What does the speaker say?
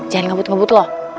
jangan ngebut ngebut lo